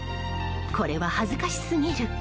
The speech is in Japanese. これは恥ずかしすぎる。